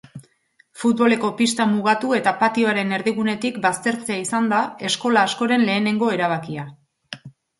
Futboleko pista mugatu eta patioaren erdigunetik baztertzea izan da eskola askoren lehenengo erabakia.